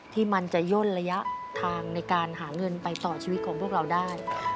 ที่มันจะย่นระยะทางในการหาเงินไปต่อชีวิตของพวกเราได้